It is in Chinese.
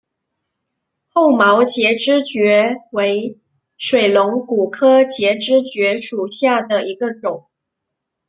厚毛节肢蕨为水龙骨科节肢蕨属下的一个种。